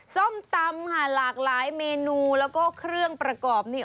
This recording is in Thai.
ส้มตำค่ะหลากหลายเมนูแล้วก็เครื่องประกอบนี่